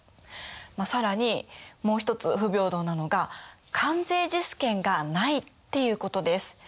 更にもう一つ不平等なのが「関税自主権がない」っていうことです。